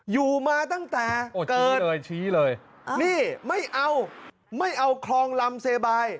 อยู่มาตั้งแต่เกิดเลยชี้เลยนี่ไม่เอาไม่เอาคลองลำเซบาย